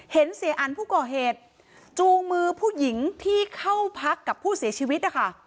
เสียอันผู้ก่อเหตุจูงมือผู้หญิงที่เข้าพักกับผู้เสียชีวิตนะคะ